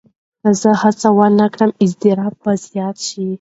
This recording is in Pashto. که زه هڅه ونه کړم، اضطراب به زیات شي.